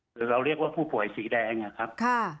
คือเราเรียกว่าผู้ป่วยสีแดงนะครับ